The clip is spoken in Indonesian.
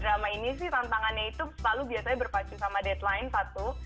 drama ini sih tantangannya itu selalu biasanya berpacu sama deadline satu